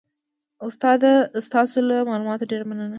استاده ستاسو له معلوماتو ډیره مننه